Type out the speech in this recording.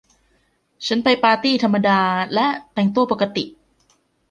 ฉันไปปาร์ตี้ธรรมดา และแต่งตัวปกติ